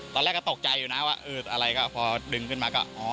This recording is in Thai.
ตอนแรกก็ตกใจอยู่นะว่าอะไรก็ว่าพอดึงขึ้นมาก็